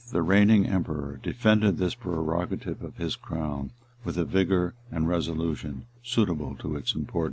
the reigning emperor, defended this prerogative of his crown with a vigor and resolution suitable to its importance.